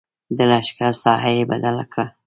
د لښکر ساحه یې بدله کړه.